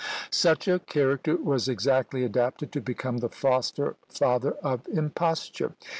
Such a character was exactly adapted to become the foster father of imposture.